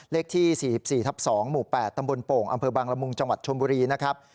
เลขที่๔๔ทับ๒หมู่๘ตำบลโป่งอำเภอบางละมุงจังหวัดชนบุรีนะครับ